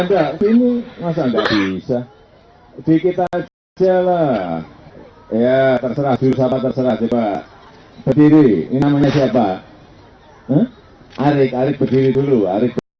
ya terserah terserah terserah coba berdiri namanya siapa arik arik berdiri dulu arik